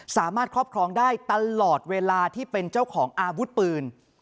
ครอบครองได้ตลอดเวลาที่เป็นเจ้าของอาวุธปืน